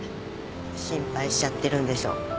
心配しちゃってるんでしょ？